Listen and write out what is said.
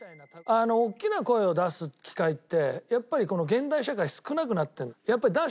大きな声を出す機会ってやっぱりこの現代社会少なくなってる。